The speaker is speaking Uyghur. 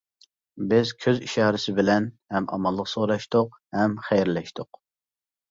بىز كۆز ئىشارىسى بىلەن ھەم ئامانلىق سوراشتۇق، ھەم خەيرلەشتۇق.